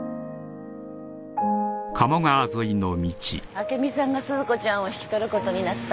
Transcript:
あけみさんが鈴子ちゃんを引き取ることになった。